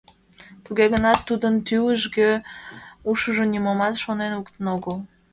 Туге гынат тудын тӱлыжгӧ ушыжо нимомат шонен луктын огыл.